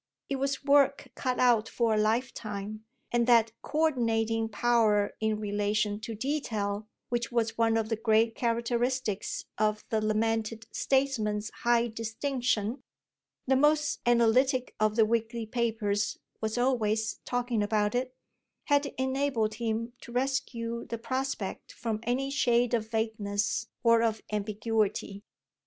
It was work cut out for a lifetime, and that "co ordinating power in relation to detail" which was one of the great characteristics of the lamented statesman's high distinction the most analytic of the weekly papers was always talking about it had enabled him to rescue the prospect from any shade of vagueness or of ambiguity.